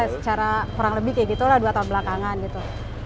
secara kurang lebih kayak gitu lah dua tahun belakangan gitu